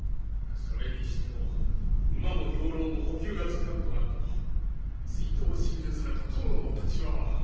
それにしても馬も兵糧も補給がつかぬとなると追討を進言された殿のお立場は。